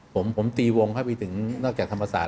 ผมตีวงเข้าไปถึงนอกจากธรรมศาส